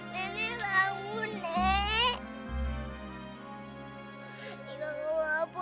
nenek bangun nek